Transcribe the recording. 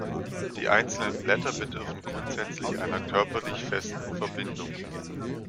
Die einzelnen Blätter bedürfen grundsätzlich einer körperlich festen Verbindung.